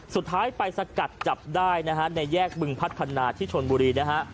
สุดท้ายไปสกัดจับได้นะฮะในแยกบึงพัฒนาที่ชนบุรีนะฮะ